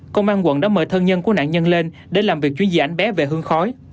công an quận đã mời thân nhân của nạn nhân lên để làm việc duy trì ảnh bé về hương khói